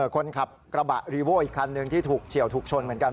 คนขับกระบะรีโว้อีกคันหนึ่งที่ถูกเฉียวถูกชนเหมือนกัน